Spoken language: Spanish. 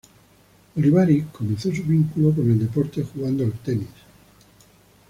Olivari comenzó su vínculo con el deporte jugando al tenis.